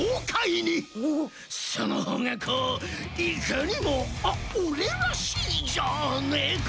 そのほうがこういかにもあっオレらしいじゃねえか？